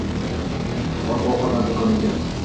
Oziq- ovqatlar doʻkoni ekan